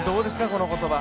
この言葉。